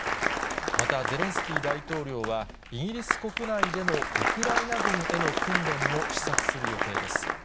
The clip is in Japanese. また、ゼレンスキー大統領は、イギリス国内でのウクライナ軍への訓練も視察する予定です。